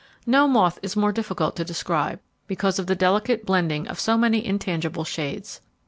No moth is more difficult to describe, because of the delicate blending of so many intangible shades.